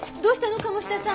鴨志田さん。